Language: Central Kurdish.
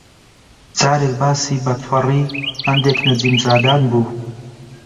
جارێک باسی بەدفەڕی هێندێک نەجیمزادان بوو